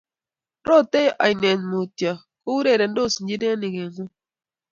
Rotei oinet mutyo ko urerendos njirenik eng ngwony